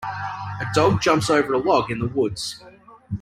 A dog jumps over a log in the woods.